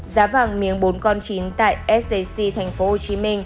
giá vàng miếng bốn con chín tại sjc tp hcm